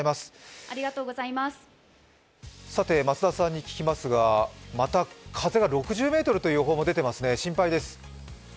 増田さんに聞きますが、また風が６０ｍという予報も出ていますね。